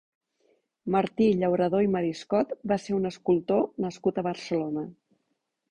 Martí Llauradó i Mariscot va ser un escultor nascut a Barcelona.